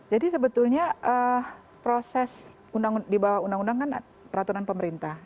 jadi sebetulnya proses di bawah undang undang kan peraturan pemerintah